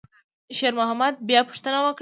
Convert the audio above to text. شېرمحمد بیا پوښتنه وکړه.